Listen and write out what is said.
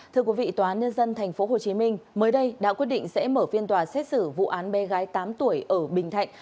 thưa quý vị tòa án nhân dân tp hcm mới đây đã quyết định sẽ mở phiên tòa xét xử vụ án bé gái tám tuổi ở bình thạnh